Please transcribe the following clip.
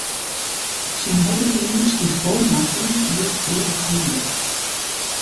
Syn hobbykeamer stiet fol mei fiif jier earlik hânwurk.